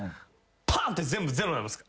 パンって全部ゼロになります。